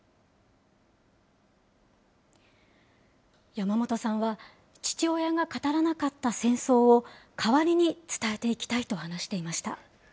山本さんは、父親が語らなかった戦争を、代わりに伝えていきたいと話していました。